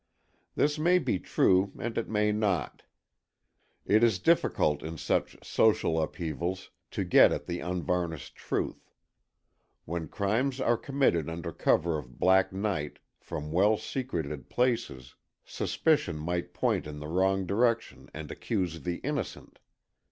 This may be true and it may not. It is difficult in such social upheavals to get at the unvarnished truth. When crimes are committed under cover of black night, from well secreted places, suspicion might point in the wrong direction and accuse the innocent.